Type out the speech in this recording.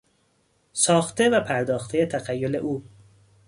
ساخته و پرداختهی تخیل او